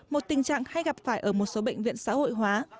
một tình trạng hay gặp phải ở một số bệnh viện xã hội hóa